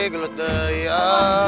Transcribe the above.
gue mah gue mah